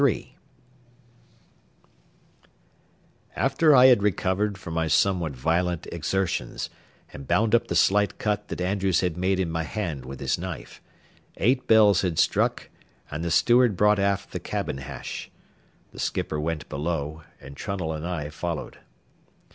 III After I had recovered from my somewhat violent exertions, and bound up the slight cut that Andrews had made in my hand with his knife, eight bells had struck, and the steward brought aft the cabin hash. The skipper went below, and Trunnell and I followed.